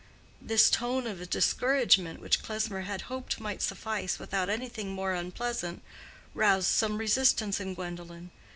This tone of discouragement, which Klesmer had hoped might suffice without anything more unpleasant, roused some resistance in Gwendolen.